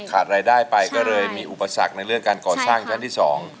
ขาดรายได้ไปก็เลยมีอุปสรรคในเรื่องการก่อสร้างชั้นที่สอง